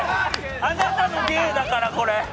あなたの芸だから、これ。